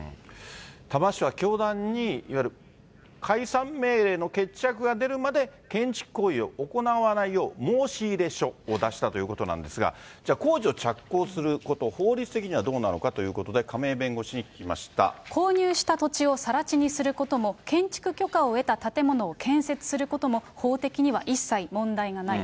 多摩市は教団に、いわゆる解散命令の決着が出るまで建築行為を行わないよう申し入れ書を出したということなんですが、じゃあ、工事を着工すること、法律的にはどうなのかということで、購入した土地をさら地にすることも、建築許可を得た建物を建設することも、法的には一切問題がない。